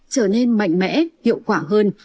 trở nên mạnh mẽ hiệu quả hơn